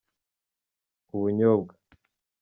ubunyobwa.